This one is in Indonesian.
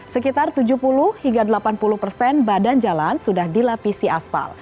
sekitar tujuh puluh hingga delapan puluh persen badan jalan sudah dilapisi aspal